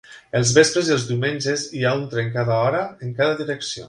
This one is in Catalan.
Els vespres i els diumenges hi ha un tren cada hora en cada direcció.